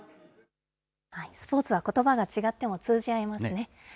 スポーツはことばが違っても通じ合えますね。